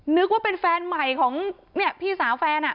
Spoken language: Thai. นึกว่าเป็นแฟนใหม่ของเนี่ยพี่สาวแฟน